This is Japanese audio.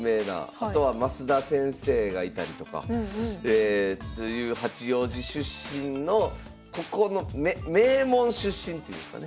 あとは増田先生がいたりとか。という八王子出身のここの名門出身っていうんですかね。